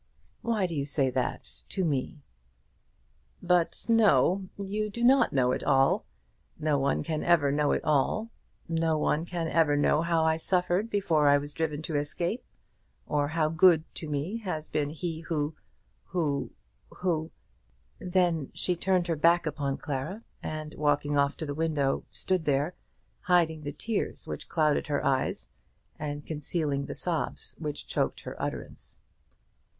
"Why do you say that, to me?" "But no; you do not know it all. No one can ever know it all. No one can ever know how I suffered before I was driven to escape, or how good to me has been he who who who " Then she turned her back upon Clara, and, walking off to the window, stood there, hiding the tears which clouded her eyes, and concealing the sobs which choked her utterance.